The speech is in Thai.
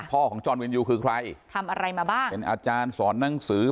ของจรวินยูคือใครทำอะไรมาบ้างเป็นอาจารย์สอนหนังสือ